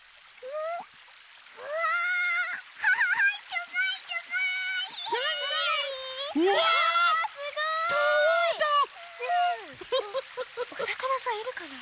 おさかなさんいるかな？